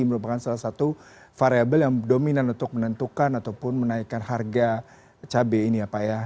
merupakan salah satu variable yang dominan untuk menentukan ataupun menaikkan harga cabai ini ya pak ya